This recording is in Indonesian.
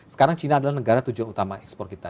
sekarang cina adalah negara tujuan utama ekspor kita